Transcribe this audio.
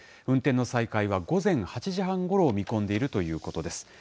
運転の再開は午前８時半ごろを見込んでいるということです。